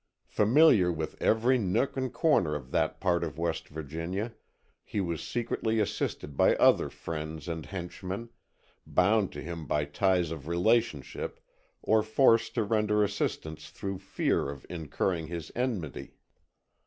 Familiar with every nook and corner of that part of West Virginia, he was secretly assisted by other friends and henchmen, bound to him by ties of relationship or forced to render assistance through fear of incurring his enmity.